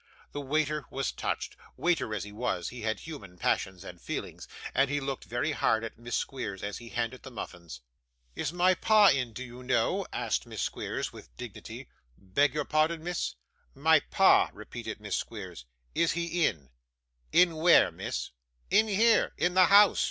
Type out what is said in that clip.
The waiter was touched. Waiter as he was, he had human passions and feelings, and he looked very hard at Miss Squeers as he handed the muffins. 'Is my pa in, do you know?' asked Miss Squeers with dignity. 'Beg your pardon, miss?' 'My pa,' repeated Miss Squeers; 'is he in?' 'In where, miss?' 'In here in the house!